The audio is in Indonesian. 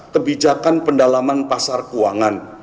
kebijakan pendalaman pasar keuangan